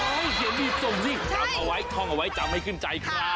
เฮ้ยเขียนบีบส่งสิต้องเอาไว้ทองเอาไว้จะไม่ขึ้นใจครับ